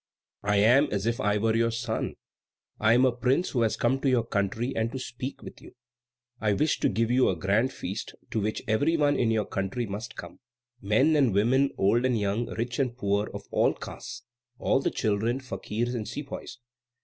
I am as if I were your son. I am a prince who has come to see your country and to speak with you. I wish to give you a grand feast, to which every one in your country must come men and women, old and young, rich and poor, of all castes; all the children, fakirs, and sepoys.